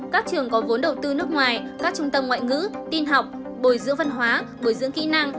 các trường có vốn đầu tư nước ngoài các trung tâm ngoại ngữ tin học bồi giữ văn hóa bồi dưỡng kỹ năng